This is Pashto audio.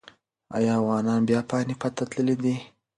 ایا افغانان بیا پاني پت ته تللي دي؟